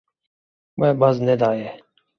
We baz nedaye.